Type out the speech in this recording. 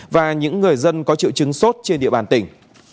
và những người dân có triệu chứng sốt trên địa bàn tỉnh